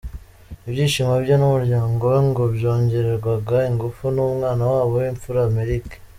Ibyishimo bye n’umuryango we ngo byongererwa ingufu n’umwana wabo w’imfura Merick.